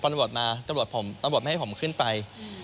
ตำรวจมาตำรวจผมตำรวจไม่ให้ผมขึ้นไป